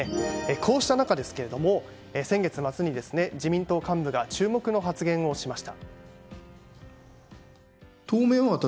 こうした中、先月末に自民党幹部が注目の発言をしました。